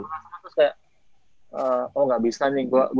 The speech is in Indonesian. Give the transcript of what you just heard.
terus kayak oh gak bisa nih gue harus